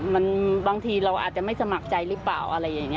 บางทีเราอาจจะไม่สมัครใจหรือเปล่าอะไรอย่างนี้